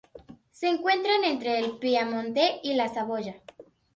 Se encuentran entre el Piamonte y la Saboya.